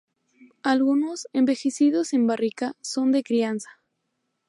Algunos, envejecidos en barrica, son de crianza.